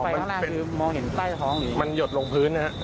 ไฟข้างล่างคือมองเห็นใกล้ท้องอยู่มันหยดลงพื้นนะฮะ